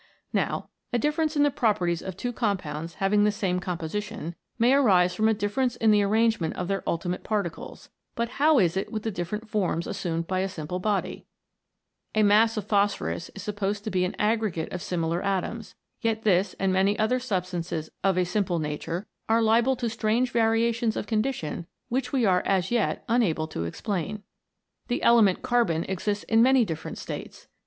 Now, a difference in the properties of two compounds having the same composition, may arise from a dif ference in the arrangement of their ultimate par ticles ; but how is it with the different forms as sumed by a simple body 1 A mass of phosphorus is supposed to be an aggregate of similar atoms, yet this and many other substances of a simple nature, are liable to strange variations of condition which we are as yet unable to explain. The element carbon exists in many different states.